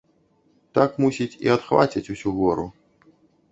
Так, мусіць, і адхвацяць усю гору.